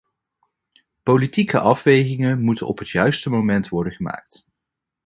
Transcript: Politieke afwegingen moeten op het juiste moment worden gemaakt.